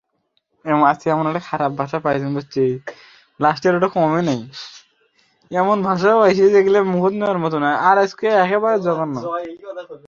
এছাড়াও পরিচালনা কমিটি’র সভাপতি হিসেবে দায়ীত্ব পালন করছেন আলহাজ আব্দুল লতিফ মন্ডল।